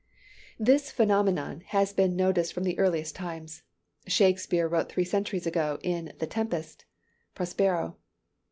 This phenomenon has been noticed from the earliest times. Shakespeare wrote three centuries ago, in "The Tempest:" _Prospero.